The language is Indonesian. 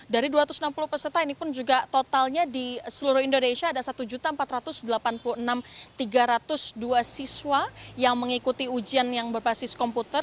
dari dua ratus enam puluh peserta ini pun juga totalnya di seluruh indonesia ada satu empat ratus delapan puluh enam tiga ratus dua siswa yang mengikuti ujian yang berbasis komputer